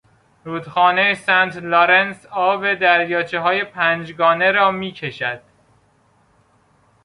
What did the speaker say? رودخانهی سنت لارنس آب دریاچههای پنج گانه را میکشد.